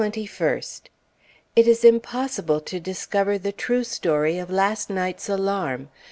July 21st. It is impossible to discover the true story of last night's alarm.